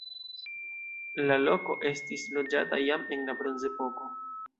La loko estis loĝata jam en la bronzepoko.